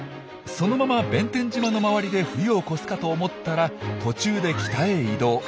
そのまま弁天島の周りで冬を越すかと思ったら途中で北へ移動。